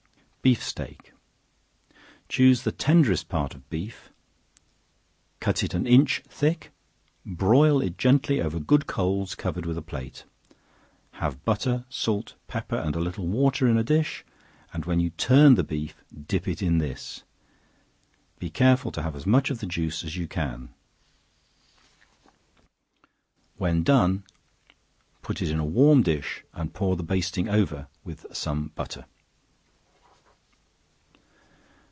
Beef Steak. Choose the tenderest part of beef, cut it an inch thick, broil it gently over good coals, covered with a plate; have butter, salt, pepper, and a little water in a dish; and when you turn the beef, dip it in this; be careful to have as much of the juice as you can. When done, put it in a warm dish, and pour the basting over, with some more butter.